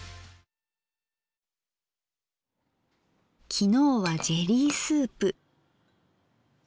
昨日はジェリースープ。